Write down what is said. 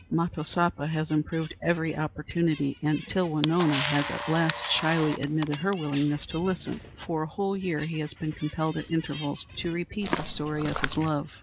Matosapa has improved every opportunity, until Winona has at last shyly admitted her willingness to listen. For a whole year he has been compelled at intervals to repeat the story of his love.